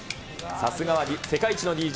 さすがは世界一のＤＪ。